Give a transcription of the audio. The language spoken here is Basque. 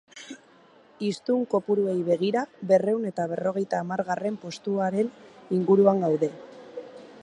Hiztun kopuruei begira, berrehun eta berrogeita hamargarren postuaren inguruan gaude.